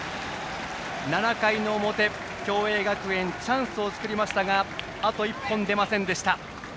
７回の表、共栄学園チャンスを作りましたがあと１本出ませんでした。